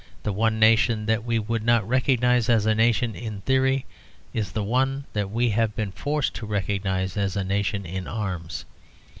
The one nation that we would not recognise as a nation in theory is the one that we have been forced to recognise as a nation in arms.